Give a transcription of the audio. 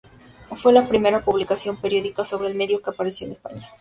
Fue la primera publicación periódica sobre el medio que apareció en España.